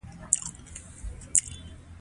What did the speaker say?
علمي سپړنې د پرمختګ لامل کېږي.